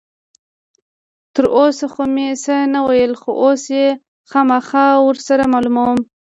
تر اوسه خو مې څه نه ویل، خو اوس یې خامخا ور سره معلوموم.